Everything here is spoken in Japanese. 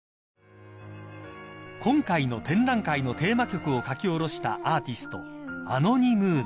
［今回の展覧会のテーマ曲を書き下ろしたアーティスト］